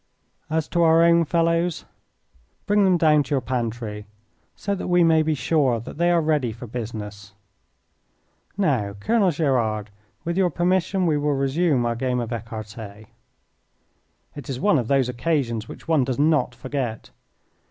As to our own fellows, bring them down to your pantry so that we may be sure that they are ready for business. Now, Colonel Gerard, with your permission we will resume our game of ecarte." It is one of those occasions which one does not forget.